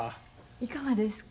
いかがですか？